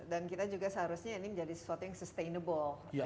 dan kita juga seharusnya ini menjadi sesuatu yang sustainable